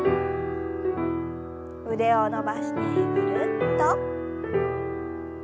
腕を伸ばしてぐるっと。